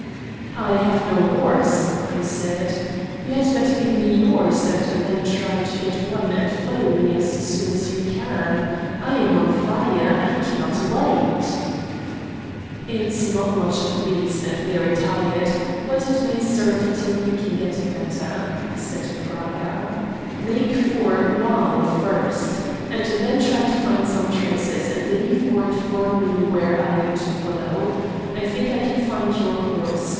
"I have no horse," I said. "You had better give me yours, and then try to get one and follow me as soon as you can. I am on fire. I cannot wait." "It's not much of a beast, and very tired, but it may serve till you can get a better," said Praga. "Make for Waal first, and then try to find some traces, and leave word for me where I am to follow. I think I can find your horse.